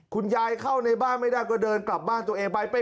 เข้าในบ้านไม่ได้ก็เดินกลับบ้านตัวเองไป